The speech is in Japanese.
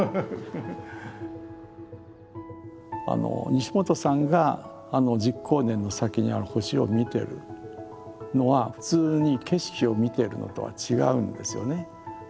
西本さんが１０光年の先にある星をみてるのは普通に景色を見ているのとは違うんですよね。